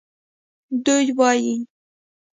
دوی وایي